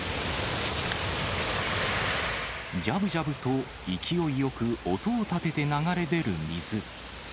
じゃぶじゃぶと勢いよく音を立てて流れ出る水。